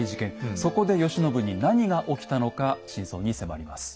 そこで慶喜に何が起きたのか真相に迫ります。